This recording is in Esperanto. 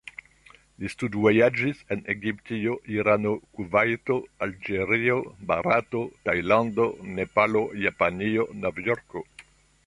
Li studvojaĝis en Egiptio, Irano, Kuvajto, Alĝerio, Barato, Tajlando, Nepalo, Japanio, Novjorko.